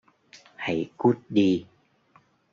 hãy cút đi